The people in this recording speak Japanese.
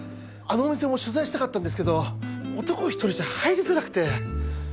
あのお店も取材したかったんですけど男一人じゃ入りづらくて。